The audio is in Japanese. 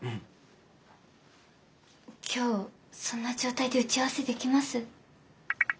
今日そんな状態で打ち合わせできます？